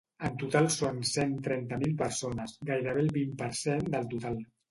En total són cent trenta mil persones, gairebé el vint per cent del total.